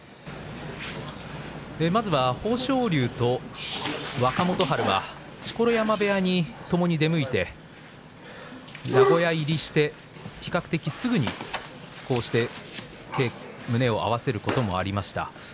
まずは豊昇龍と若元春は錣山部屋にともに出向いて名古屋入りして比較的すぐにこうして胸を合わせることもありました。